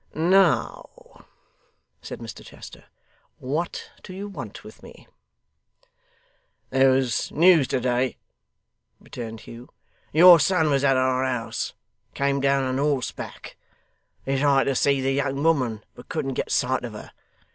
'Now,' said Mr Chester, 'what do you want with me?' 'There was news to day,' returned Hugh. 'Your son was at our house came down on horseback. He tried to see the young woman, but couldn't get sight of her.